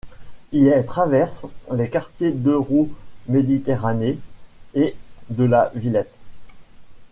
Il est traverse les quartiers d'Euroméditerranée et de La Villette.